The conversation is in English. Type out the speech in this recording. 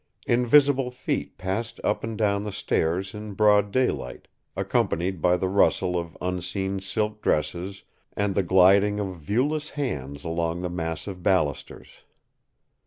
Invisible feet passed up and down the stairs in broad daylight, accompanied by the rustle of unseen silk dresses, and the gliding of viewless hands along the massive balusters.